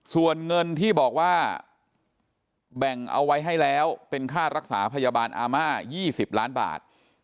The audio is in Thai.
ส่วนเงินที่บอกว่าแบ่งเอาไว้ให้แล้วเป็นค่ารักษาพยาบาลอาม่า๒๐ล้านบาท